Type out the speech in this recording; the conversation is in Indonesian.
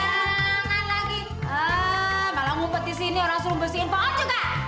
jangan lagi malah ngumpet disini harus lo bersihin pohon juga